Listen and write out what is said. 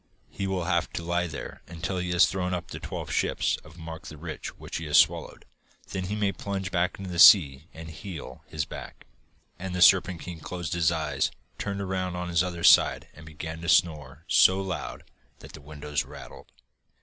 'He will have to lie there till he has thrown up the twelve ships of Mark the Rich which he swallowed. Then he may plunge back into the sea and heal his back.' And the Serpent King closed his eyes, turned round on his other side, and began to snore so loud that the windows rattled.